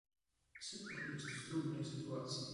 Cypr jest w trudnej sytuacji.